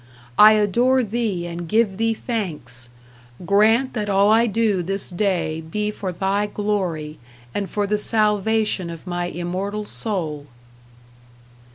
I adore Thee and give Thee thanks. Grant that all I do this day be for Thy Glory, and for the salvation of my immortal soul.